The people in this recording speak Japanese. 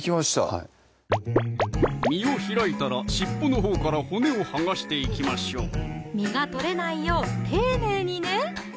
はい身を開いたら尻尾のほうから骨を剥がしていきましょう身が取れないよう丁寧にね